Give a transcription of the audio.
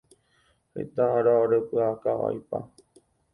Heta ára orepyʼakavaipa.